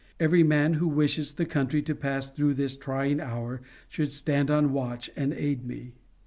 Every man who wishes the country to pass through this trying hour should stand on watch, and aid me.